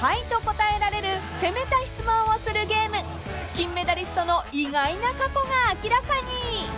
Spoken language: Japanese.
［金メダリストの意外な過去が明らかに］